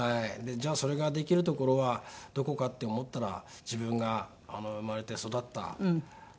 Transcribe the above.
じゃあそれができる所はどこかって思ったら自分が生まれて育った所だったんですね。